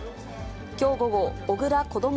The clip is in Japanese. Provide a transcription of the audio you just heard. きょう午後、小倉こども